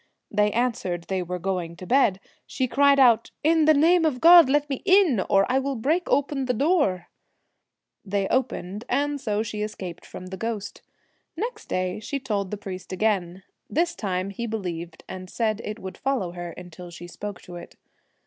They answered they were going to bed. She cried out, ' In the name of God let me in, or I will break open the door.' They 29 The opened, and so she escaped from the ghost. Twilight. Next day she told the priest again. This time he believed, and said it would follow her until she spoke to it.